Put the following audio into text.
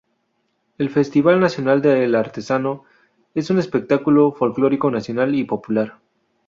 El Festival Nacional del Artesano, es un espectáculo folclórico nacional y popular.